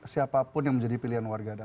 siapapun yang menjadi pilihan warga